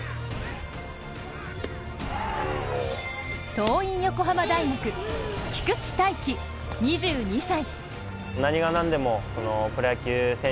桐蔭横浜大学・菊地大稀２２歳。